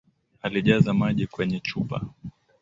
Alijaza maji kwenye chupa